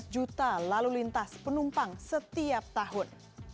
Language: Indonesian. empat belas juta lalu lintas penumpang setiap tahun